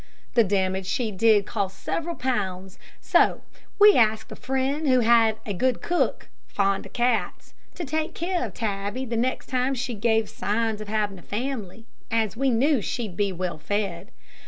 The damage she did cost several pounds; so we asked a friend who had a good cook, fond of cats, to take care of Tabby the next time she gave signs of having a family, as we knew she would be well fed.